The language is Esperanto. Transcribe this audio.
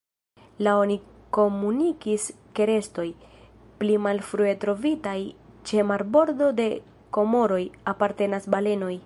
La oni komunikis ke restoj, pli malfrue trovitaj ĉe marbordo de Komoroj, apartenas balenoj.